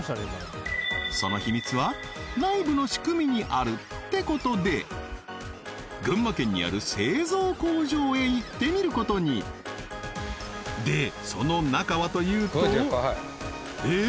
その秘密は内部の仕組みにあるってことで群馬県にある製造工場へ行ってみることにでその中はというとえっ？